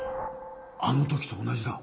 あの時と同じだ。